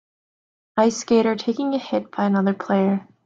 Ice skater taking a hit by another player